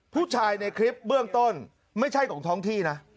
ผู้ชายในคลิปเบื้องต้นไม่ใช่ของท้องที่นะ